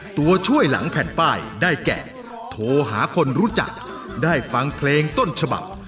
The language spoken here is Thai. ตัวช่วยหลังแผ่นป้ายได้แก่โทรหาคนรู้จักได้ฟังเพลงต้นฉบับ